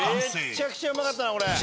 めちゃくちゃうまかったなこれ。